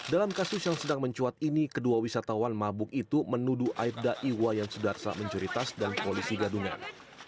dalam kasus yang sedang mencuat ini kedua wisatawan mabuk itu menuduh aibda iwa yang sudah saat mencuri tas dan polisi gadungan